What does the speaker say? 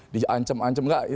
di ancam ancam gak